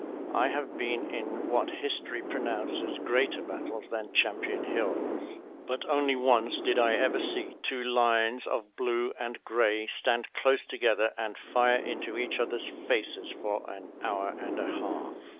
I have been in what history pronounces greater battles than Champion Hills, but only once did I ever see two lines of blue and gray stand close together and fire into each other's faces for an hour and a half.